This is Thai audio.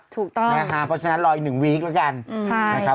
ถูกต้องเพราะฉะนั้นรออีก๑วีคแล้วจัง